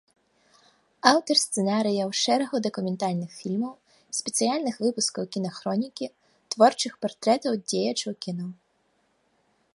Аўтар сцэнарыяў шэрагу дакументальных фільмаў, спецыяльных выпускаў кінахронікі, творчых партрэтаў дзеячаў кіно.